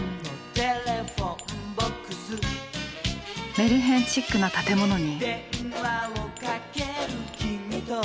メルヘンチックな建物に。